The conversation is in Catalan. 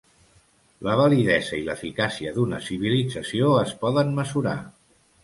la validesa i l'eficàcia d'una civilització es poden mesurar